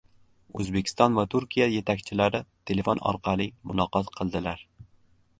O‘zbekiston va Turkiya yetakchilari telefon orqali muloqot qildilar